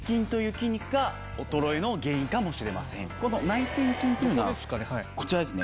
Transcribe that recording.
内転筋っていうのはこちらですね。